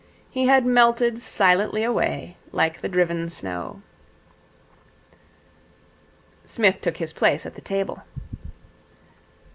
He had melted silently away like the driven snow. Psmith took his place at the table.